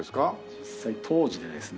実際当時でですね